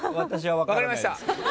分かりました！